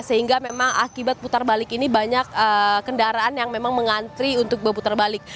sehingga memang akibat putar balik ini banyak kendaraan yang memang mengantri untuk berputar balik